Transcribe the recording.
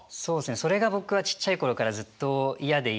それが僕はちっちゃい頃からずっと嫌で嫌で。